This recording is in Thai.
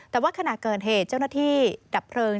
แต่ว่าขณะเกิดเหตุเจ้าหน้าที่ดับเพลิง